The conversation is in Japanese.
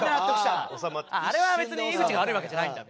あああれは別に井口が悪いわけじゃないんだって。